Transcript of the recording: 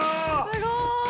すごい！